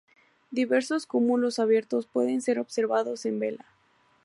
Diversos cúmulos abiertos pueden ser observados en Vela.